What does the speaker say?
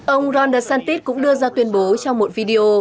ông ron desantis cũng đưa ra tuyên bố trong một video